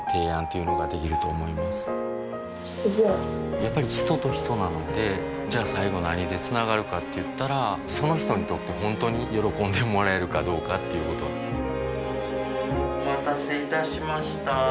やっぱり人と人なのでじゃあ最後何でつながるかって言ったらその人にとって本当に喜んでもらえるかどうかっていうことお待たせいたしました。